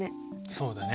そうだね。